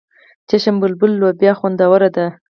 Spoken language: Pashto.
چشم بلبل لوبیا خوندوره ده.